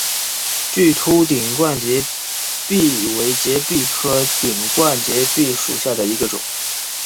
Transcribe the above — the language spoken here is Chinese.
巨突顶冠节蜱为节蜱科顶冠节蜱属下的一个种。